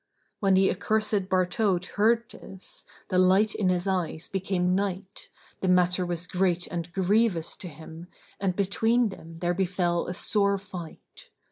When the accursed Bartaut heard this, the light in his eyes became night, the matter was great and grievous to him and between them there befel a sore fight.